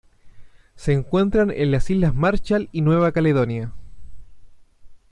Se encuentran en las Islas Marshall y Nueva Caledonia.